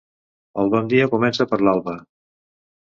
El bon dia comença per l'alba.